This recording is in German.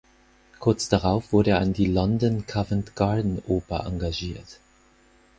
Kurz darauf wurde er an die London Covent Garden Oper engagiert.